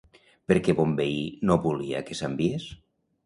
Per què Bonvehí no volia que s'enviés?